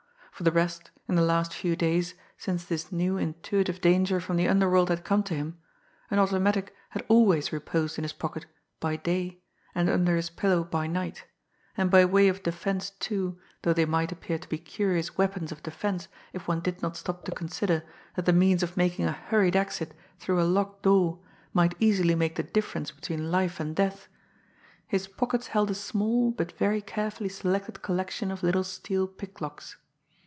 For the rest, in the last few days, since this new intuitive danger from the underworld had come to him, an automatic had always reposed in his pocket by day and under his pillow by night; and by way of defence, too, though they might appear to be curious weapons of defence if one did not stop to consider that the means of making a hurried exit through a locked door might easily make the difference between life and death, his pockets held a small, but very carefully selected collection of little steel picklocks.